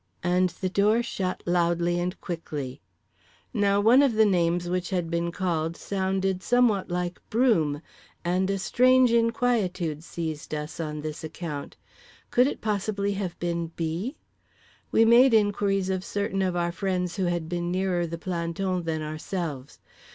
—and the door shut loudly and quickly. Now one of the names which had been called sounded somewhat like "Broom," and a strange inquietude seized us on this account. Could it possibly have been "B."? We made inquiries of certain of our friends who had been nearer the planton than ourselves.